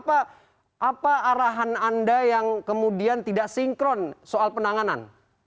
apa arahan anda yang kemudian tidak sinkron soal penanganan